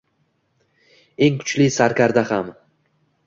Eng kuchli sarkarda ham.